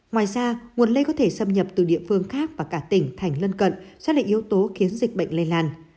ngoài ra nguồn lây có thể xâm nhập từ địa phương khác và cả tỉnh thành lân cận xác định yếu tố khiến dịch bệnh lây lan